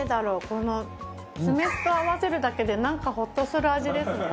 この酢飯と合わせるだけでなんかほっとする味ですね。